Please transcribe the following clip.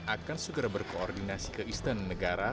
akan segera berkoordinasi ke istana negara